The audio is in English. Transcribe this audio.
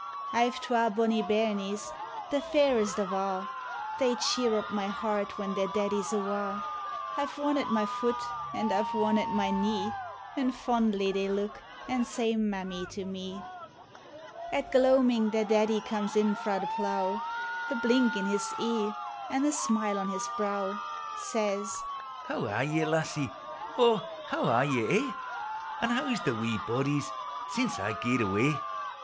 1 've twa bonnie bahnies, the fairest of a', They cheer up my heart when their'daddie's awa' ; I 've one at my foot, and I 've one at my knee; An' fondly they look, an' say 4i Mammie " to me. At gloamin' their daddie comes in frae (he plough, The blink in his e'e, an' the smile on his brow, 282 POEMU OF HOME. Says, " How are ye, lassie, O, how are ye a', An' how 's the wee bodies sin' I gaed awa' ?"